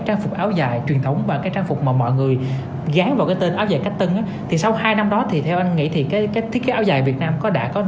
áo dài nó quá lẽ phục